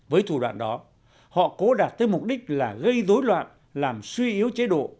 với thủ đoạn đó họ cố đạt tới mục đích là gây dối loạn làm suy yếu chế độ